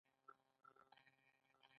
سایتوپلازم کومه برخه ده او څه رنګ لري